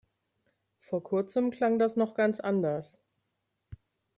Vor kurzem klang das noch ganz anders.